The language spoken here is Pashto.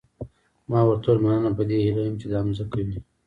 ما ورته وویل مننه په دې هیله یم چې دا مځکه وي.